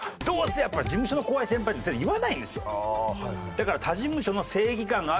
だから。